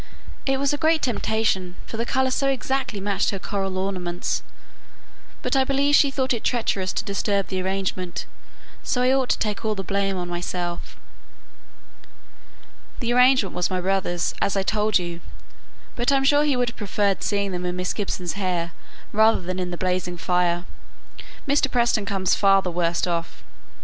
It was a great temptation, for the colour so exactly matched her coral ornaments; but I believe she thought it treacherous to disturb the arrangement, so I ought to take all the blame on myself." "The arrangement was my brother's, as I told you; but I am sure he would have preferred seeing them in Miss Gibson's hair rather than in the blazing fire. Mr. Preston comes far the worst off."